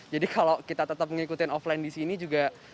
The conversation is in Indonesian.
kalau kita tetap mengikuti offline di sini juga